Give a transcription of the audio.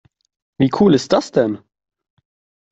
Wie cool ist das denn?